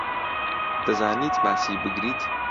دەزانیت ماسی بگریت؟